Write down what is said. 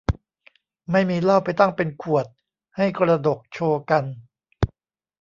ไม่มีเหล้าไปตั้งเป็นขวด ให้กระดกโชว์กัน